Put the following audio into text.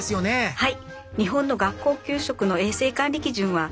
はい。